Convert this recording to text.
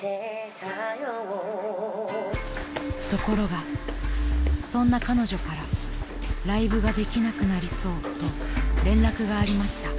［ところがそんな彼女から「ライブができなくなりそう」と連絡がありました］